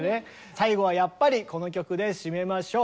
最後はやっぱりこの曲で締めましょう。